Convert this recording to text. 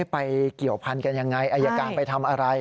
เกี่ยวพันกันยังไงอายการไปทำอะไร